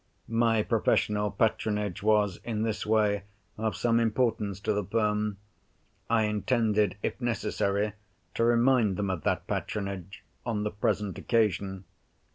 My professional patronage was, in this way, of some importance to the firm. I intended, if necessary, to remind them of that patronage, on the present occasion.